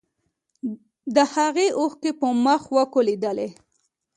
د هغې اوښکې په مخ وکولېدلې.